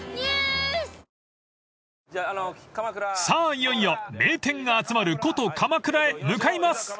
［さあいよいよ名店が集まる古都鎌倉へ向かいます］